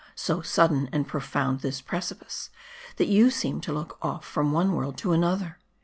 So sudden and profound this precipice, that you seem to look off from one woxld to another.